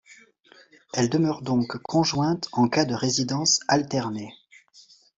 Elle demeure donc conjointe en cas de résidence alternée.